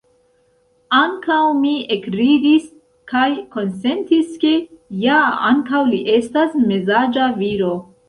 Ankaŭ mi ekridis, kaj konsentis ke, ja ankaŭ li estas mezaĝa viro.